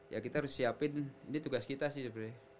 ya kita harus siapin ini tugas kita sih sebenarnya